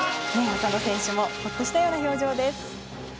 浅野選手もホッとしたような表情です。